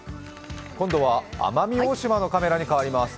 今度は奄美大島のカメラに変わります。